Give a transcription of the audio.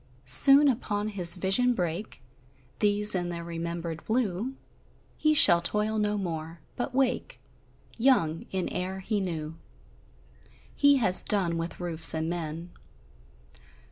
Soon upon his vision break These, in their remembered blue; He shall toil no more, but wake Young, in air he knew. He has done with roofs and men.